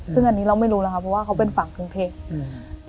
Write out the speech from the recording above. ซึ่งอันนี้เราไม่รู้แล้วครับเพราะว่าเขาเป็นฝั่งกรุงเทพอืม